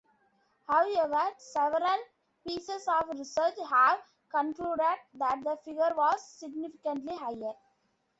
However, several pieces of research have concluded that the figure was significantly higher.